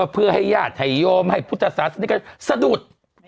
เพื่อให้ญาติให้โยมให้พุทธศาสนิกชนสะดุด